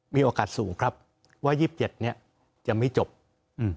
มีโอกาสสูงครับว่ายี่สิบเจ็ดเนี้ยจะไม่จบอืม